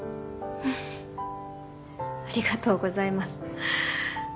フフッありがとうございます。